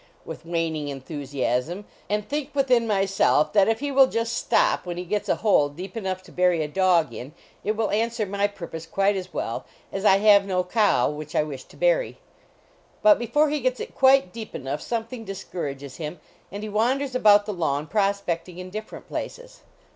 with waning enthusiasm. and think within myself that if he will just stop when he gets a hole deep enough to bury a dog in, it will answer my purpose quite .1 well, as I have no cow which I wi>h to bury. Hut before he gets it quite deep enough something discourages him, and he wanders about the lawn prospecting in differ ent places.